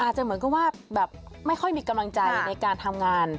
จะเหมือนกับว่าแบบไม่ค่อยมีกำลังใจในการทำงาน